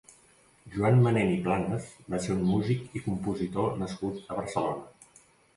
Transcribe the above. Joan Manén i Planas va ser un músic i compositor nascut a Barcelona.